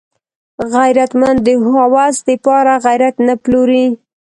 غیرتمند د هوس د پاره غیرت نه پلوري